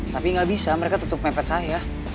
tapi nggak bisa mereka tutup mepet saya